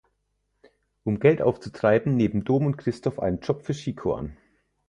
Um Geld aufzutreiben, nehmen Dom und Christoph einen Job für Chico an.